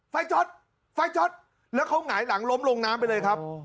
จ๊อตไฟจ๊อตแล้วเขาหงายหลังล้มลงน้ำไปเลยครับ